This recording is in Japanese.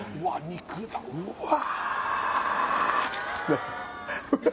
肉だうわ